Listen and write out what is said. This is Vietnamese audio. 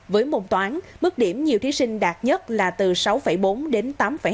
với môn toán mức điểm nhiều thí sinh đạt nhất là từ sáu bốn đến tám hai